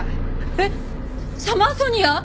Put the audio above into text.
えっサマーソニア！？